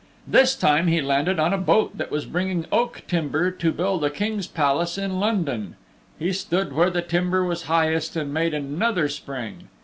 This time he landed on a boat that was bringing oak timber to build a King's Palace in London. He stood where the timber was highest and made another spring.